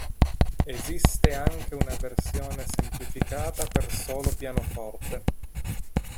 Esiste anche una versione semplificata per solo pianoforte.